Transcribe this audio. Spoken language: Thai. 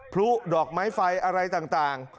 พลุดอกไม้ไฟอะไรต่าง